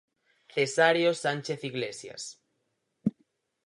Cesáreo Sánchez Iglesias.